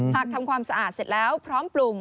ทำความสะอาดเสร็จแล้วพร้อมปรุง